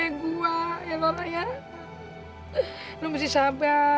sebenernya gue jangan sampe